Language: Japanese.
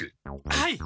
はい。